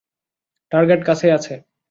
Target কাছেই আছে।